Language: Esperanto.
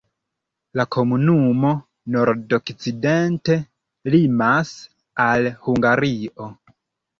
La komunumo nord-okcidente limas al Hungario.